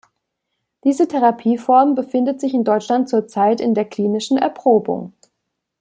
Diese Therapieform befindet sich in Deutschland zurzeit in der klinischen Erprobung.